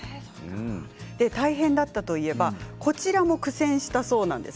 大変だったといえばこちらも苦戦したそうです。